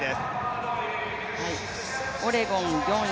オレゴン４位。